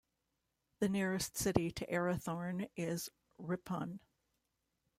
The nearest city to Arrathorne is Ripon.